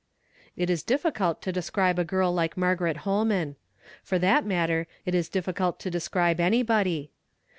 It is difficult to describe a girl like Margaret Holman. For that matter, it is difficult to de scribe anybody.